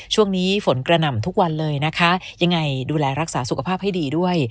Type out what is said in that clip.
ช่วงนี้ฝนกระหน่ำทุกวันเลยนะคะยังไงดูแลรักษาสุขภาพให้ดีด้วย